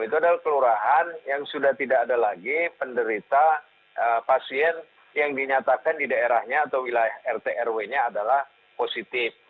itu adalah kelurahan yang sudah tidak ada lagi penderita pasien yang dinyatakan di daerahnya atau wilayah rt rw nya adalah positif